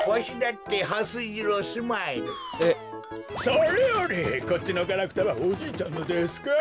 それよりこっちのガラクタはおじいちゃんのですか？